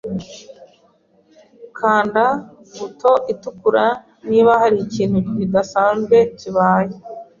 Kanda buto itukura niba hari ikintu kidasanzwe kibaye.